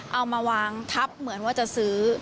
เอามาวางทับเหมือนว่าจะซื้อ